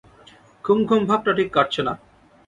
ঘুম ঘুম ভাবটা ঠিক কাটছে না!